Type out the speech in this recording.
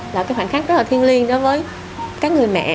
là cái khoảnh khắc rất là thiêng liêng đối với các người mẹ